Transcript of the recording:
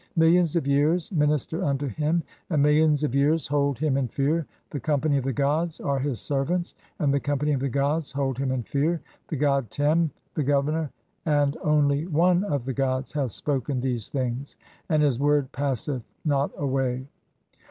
"Millions of years minister unto him, and millions of years hold "him in fear ; the company of the gods are his servants, and "the company of the gods hold him in fear. The god Tern, "(53) the Governor and only One of the gods, hath spoken "[these things], and his word passeth not away.